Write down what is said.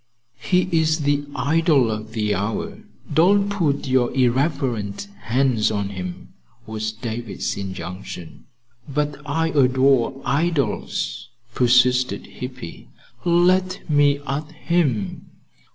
"He's the idol of the hour. Don't put your irreverent hands on him," was David's injunction. "But I adore idols," persisted Hippy. "Let me at him."